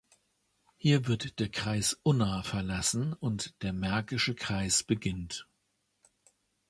Hier wird der Kreis Unna verlassen und der Märkische Kreis beginnt.